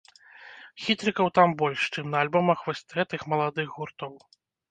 Хітрыкаў там больш, чым на альбомах вось гэтых маладых гуртоў.